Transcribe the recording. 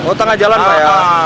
oh tengah jalan pak